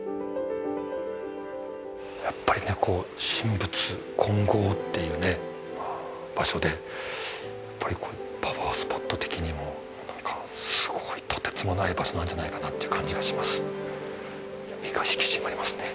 やっぱり神仏混合っていう場所でパワースポット的にもなんかすごいとてつもない場所なんじゃないかなっていう感じがします。